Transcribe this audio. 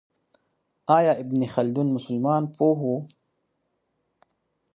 آیا ابن خلدون مسلمان پوه و؟